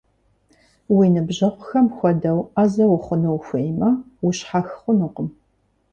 Уи ныбжьэгъухэм хуэдэу Ӏэзэ ухъуну ухуеймэ, ущхьэх хъунукъым.